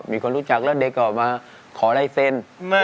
มีคนรู้จักแล้วเด็กก็มาขอลายเซ็นต์